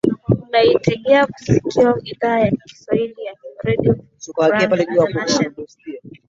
unaitegea sikio idhaa ya kiswahili ya redio france international